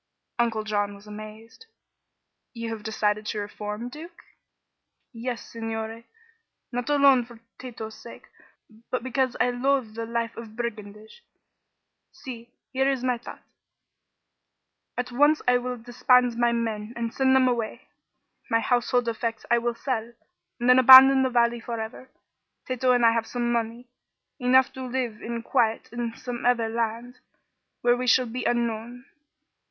Uncle John was amazed. "You have decided to reform, Duke?" he asked. "Yes, signore. Not alone for Tato's sake, but because I loathe the life of brigandage. See; here is my thought. At once I will disband my men and send them away. My household effects I will sell, and then abandon the valley forever. Tato and I have some money, enough to live in quiet in some other land, where we shall be unknown."